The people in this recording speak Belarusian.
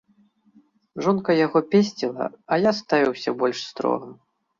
Жонка яго песціла, а я ставіўся больш строга.